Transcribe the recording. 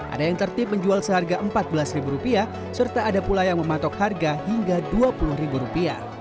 ada yang tertip menjual seharga rp empat belas serta ada pula yang mematok harga hingga rp dua puluh